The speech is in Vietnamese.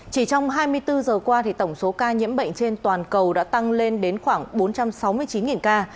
chỉ trong hai mươi bốn giờ qua tổng số ca nhiễm bệnh trên toàn cầu đã tăng lên đến khoảng bốn trăm sáu mươi chín ca